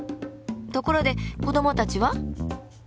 ところで子どもたちは？